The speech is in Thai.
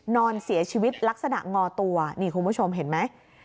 นอนเสียชีวิตลักษณะงอตัวนี่คุณผู้ชมเห็นไหม